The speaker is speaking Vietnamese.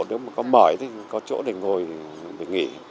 nếu mà có mỏi thì có chỗ để ngồi để nghỉ